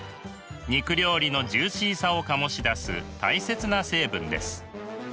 肉料理のジューシーさを醸し出す大切な成分です。